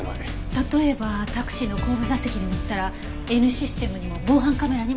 例えばタクシーの後部座席に乗ったらＮシステムにも防犯カメラにも映らない。